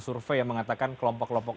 survei yang mengatakan kelompok kelompok